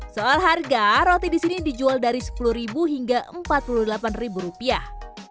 soal harga roti di sini dijual dari sepuluh hingga empat puluh delapan rupiah